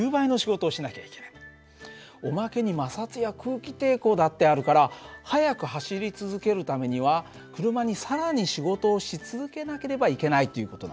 おまけに摩擦や空気抵抗だってあるから速く走り続けるためには車に更に仕事をし続けなければいけないという事なんだよね。